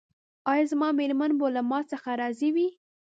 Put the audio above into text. ایا زما میرمن به له ما څخه راضي وي؟